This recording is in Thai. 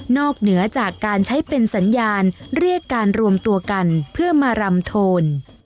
เหนือจากการใช้เป็นสัญญาณเรียกการรวมตัวกันเพื่อมารำโทน